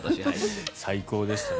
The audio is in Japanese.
最高でしたね。